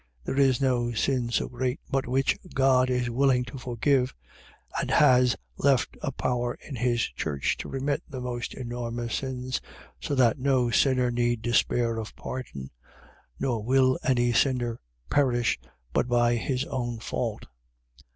There is no sin so great but which God is willing to forgive, and has left a power in his church to remit the most enormous sins: so that no sinner need despair of pardon, nor will any sinner perish, but by his own fault.